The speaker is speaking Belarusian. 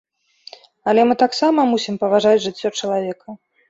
Але мы таксама мусім паважаць жыццё чалавека.